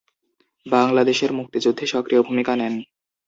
বাংলাদেশের মুক্তিযুদ্ধে সক্রিয় ভূমিকা নেন।